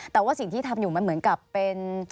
แต่ว่าสิ่งที่ทำอยู่มันเหมือนกับเป็น